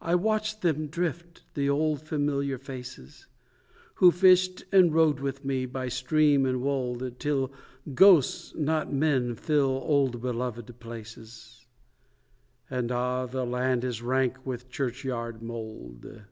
I watch them drift the old familiar faces, Who fished and rode with me, by stream and wold, Till ghosts, not men, fill old beloved places, And, ah! the land is rank with churchyard mold.